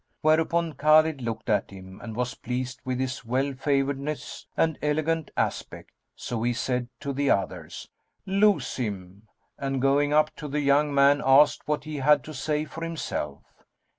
Whereupon Khбlid looked at him and was pleased with his well favouredness and elegant aspect; so he said to the others, "Loose him," and going up to the young man, asked what he had to say for himself.